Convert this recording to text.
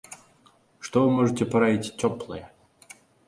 Што вы можаце параіць цёплае?